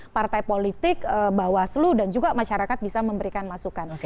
partai politik bawaslu dan juga masyarakat bisa memberikan masukan